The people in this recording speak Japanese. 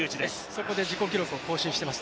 そこで自己記録を更新しています。